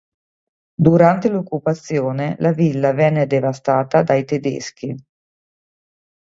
Durante l'occupazione la villa venne devastata dai tedeschi.